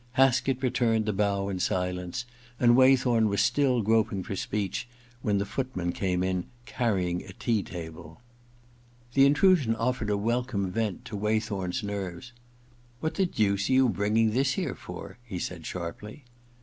Haskett returned the bow in silence, and Waythorn was still groping for speech when the footman came in carrying a tea table. The intrusion offered a welcome vent to Waythorn*s nerves. * What the deuce are you bringing this here for ?* he said sharply.